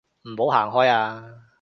唔好行開啊